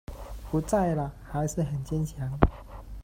不在了还是很坚强